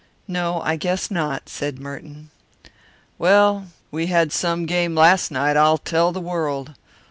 "No, I guess not," said Merton. "We had some game last night, I'll tell the world!